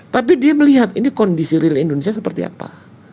tapi dia melihat ini kondisi real indonesia seperti apa